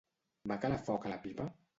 Va calar foc a la pipa?